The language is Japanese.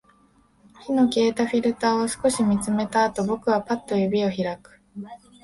火の消えたフィルターを少し見つめたあと、僕はパッと指を開く